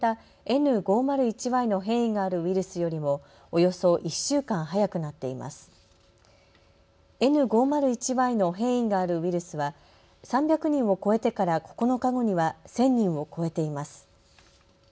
Ｎ５０１Ｙの変異があるウイルスは３００人を超えてから９日後には１０００人を超えています。